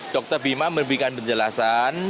dokter bima memberikan penjelasan